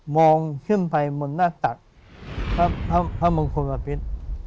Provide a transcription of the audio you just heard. มองขึ้นไปบนหน้าตักพระมงคลพระพิษ